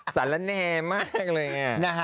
สันและแนมมากเลย